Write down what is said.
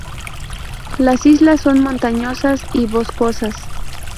Las islas son montañosas y boscosas.